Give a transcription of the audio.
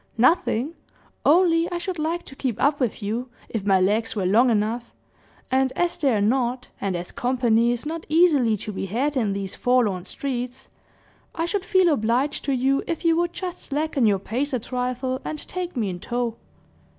"Nothing; only I should like to keep up with you, if my legs were long enough; and as they're not, and as company is not easily to be had in these forlorn streets, I should feel obliged to you if you would just slacken your pace a trifle, and take me in tow."